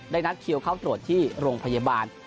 นัดคิวเข้าตรวจที่โรงพยาบาล